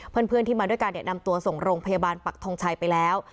เพื่อนที่มาด้วยกันนำตัวส่งโรงพยาบาลปักทงชัยไปแล้ว